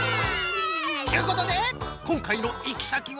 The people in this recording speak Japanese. ちゅうことでこんかいのいきさきは。